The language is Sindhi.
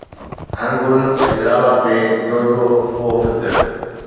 هر گل ۽ لالا تي دودو هئو فڪر